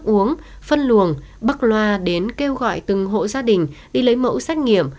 uống phân luồng bắc loa đến kêu gọi từng hộ gia đình đi lấy mẫu xét nghiệm